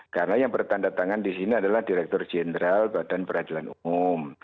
karena yang bertanda tangan di sini adalah direktur jenderal badan peradilan umum